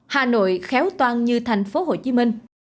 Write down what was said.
hà nội khéo toan như thành phố hồ chí minh